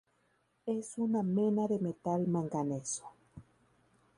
Es una mena de metal manganeso.